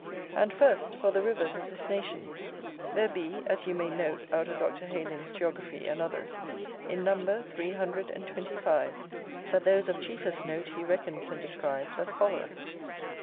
And, first, for the rivers of this nation: there be, as you may note out of Dr. Heylin's Geography and others, in number three hundred and twenty five; but those of chiefest note he reckons and describes as followeth.